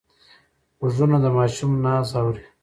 غوږونه د ماشوم ناز اوري